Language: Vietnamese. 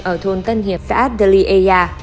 ở thôn tân hiệp xã deliaia